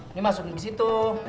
ini masuk di situ